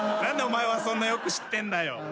何でお前はそんなよく知ってんだよ。